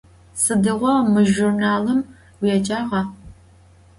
Sıdiğo mı jjurnalım vuêcağa?